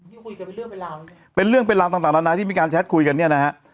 คุยกันเป็นเรื่องเป็นราวเป็นเรื่องเป็นราวต่างนานาที่มีการแชทคุยกันเนี่ยนะฮะ